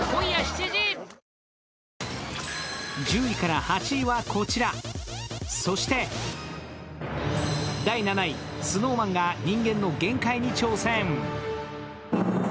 １０位から８位はこちら、そして第７位、ＳｎｏｗＭａｎが人間の限界に挑戦。